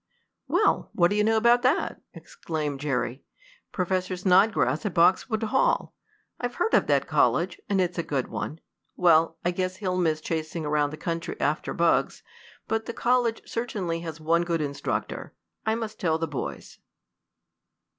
"Well, what do you know about that!" exclaimed Jerry. "Professor Snodgrass at Boxwood Hall! I've heard of that college, and it's a good one. Well, I guess he'll miss chasing around the country after bugs, but the college certainly has one good instructor! I must tell the boys."